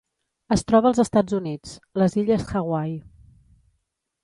Es troba als Estats Units: les Illes Hawaii.